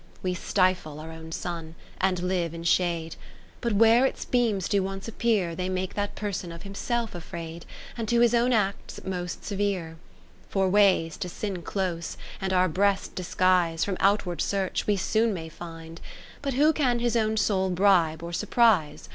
XVIII We stifle our own Sun, and live in shade ; But where its beams do once appear, 70 They make that person of himself afraid, And to his own acts most severe. XIX For ways, to sin close, and our breast disguise From outward search, we soon may find : But who can his own soul bribe or surprise.